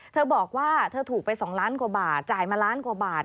เธอบอกว่าเธอถูกไป๒ล้านกว่าบาทจ่ายมาล้านกว่าบาท